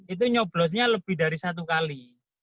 itu nyoblosnya lebih dari satu kali